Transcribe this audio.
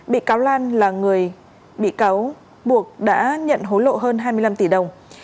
bị cáo lan là người bị cáo buộc đã nhận hối lộ hơn hai mươi năm tỷ đồng